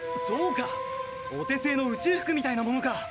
そうかお手製の宇宙服みたいなものか。